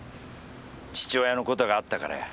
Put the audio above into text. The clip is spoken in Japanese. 父親のことがあったからや。